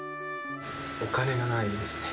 お金がないですね。